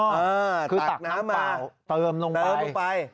อ๋อเหอะคือตักน้ำเปล่าตัดลงไปติดลงไป